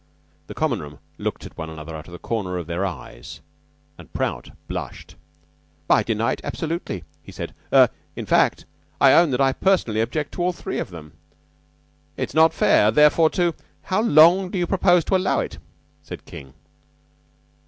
The Common room looked at one another out of the corners of their eyes, and Prout blushed. "I deny it absolutely," he said. "Er in fact, I own that I personally object to all three of them. It is not fair, therefore, to " "How long do you propose to allow it?" said King.